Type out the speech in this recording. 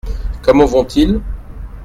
Comment vont-ils ?